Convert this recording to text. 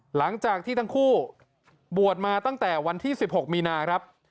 หลังจากที่ทั้งคู่บวชมาตั้งแต่วันที่๑๖มีนาครับ